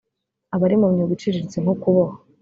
abari mu myuga iciriritse nko kuboha